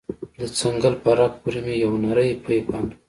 د څنگل په رگ پورې مې يو نرى پيپ بند و.